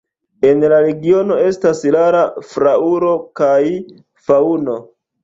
En la regiono estas rara flaŭro kaj faŭno.